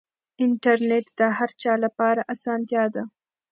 انټرنیټ د هر چا لپاره اسانتیا ده.